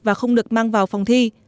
và không được mang vào phòng thi